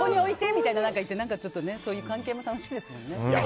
みたいなそういう関係も楽しいですもんね。